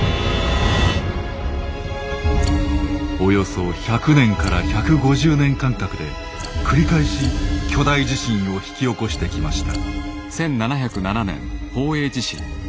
およそ１００年から１５０年間隔で繰り返し巨大地震を引き起こしてきました。